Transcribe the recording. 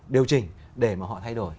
điều chỉnh để mà họ thay đổi